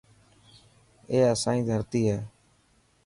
اي اسائي ڌرتي هي.